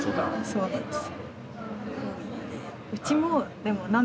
そうなんです。